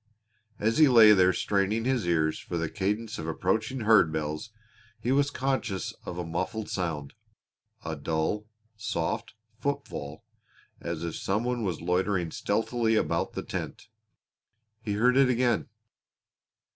As he lay there straining his ears for the cadence of approaching herd bells he was conscious of a muffled sound a dull, soft footfall, as if some one was loitering stealthily about the tent. He heard it again.